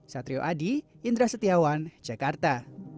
satrio adi indra setiawan jakarta